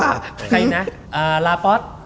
ใครอีกนะลาปอส